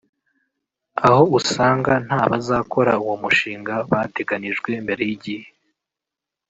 aho usanga nta bazakora uwo mushinga bateganijwe mbere y’igihe